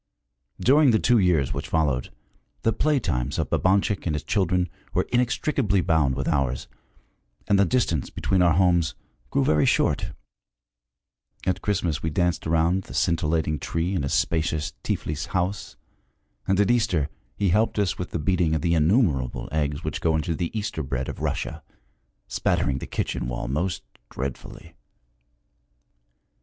During the two years which followed, the play times of Babanchik and his children were inextricably bound with ours, and the distance between our homes grew very short. At Christmas we danced around the scintillating tree in his spacious Tiflis house, and at Easter he helped us with the beating of the innumerable eggs which go into the Easter bread of Russia, spattering the kitchen wall most dreadfully.